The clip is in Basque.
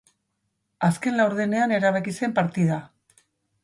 Azken laurdenean erabaki zen partida.